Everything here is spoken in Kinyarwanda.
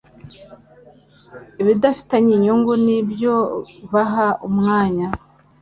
ibitabafitiye inyungu nibyo baha umwanya